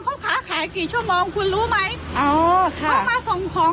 เขาค้าขายกี่ชั่วโมงคุณรู้ไหมอ๋อเขามาส่งของ